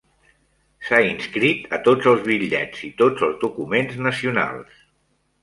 S"ha inscrit a tots els bitllets i tots els documents nacionals.